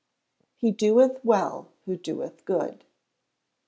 [HE DOETH WELL WHO DOETH GOOD.